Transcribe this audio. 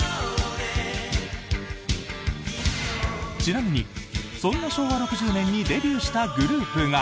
ちなみに、そんな昭和６０年にデビューしたグループが。